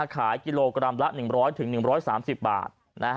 ขายกิโลกรัมละ๑๐๐๑๓๐บาท